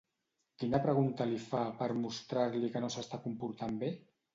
Quina pregunta li fa, per mostrar-li que no s'està comportant bé?